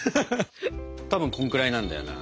たぶんこんくらいなんだよな。